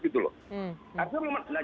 harusnya belum mencari